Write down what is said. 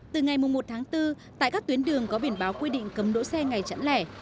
từ ngày một tháng bốn tại các tuyến đường có biển báo quy định cấm đỗ xe ngày chẵn lẻ